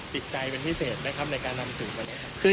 ติดใจเป็นพิเศษนะครับในการนำสื่อ